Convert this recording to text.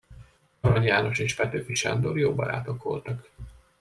Arany János és Petőfi Sándor jó barátok voltak.